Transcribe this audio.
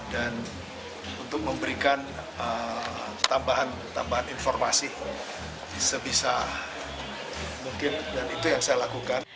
dan untuk memberikan tambahan informasi sebisa mungkin dan itu yang saya lakukan